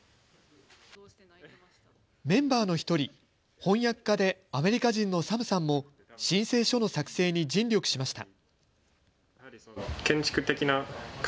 メンバーの一人、翻訳家でアメリカ人のサムさんも、申請書の作成に尽力しました。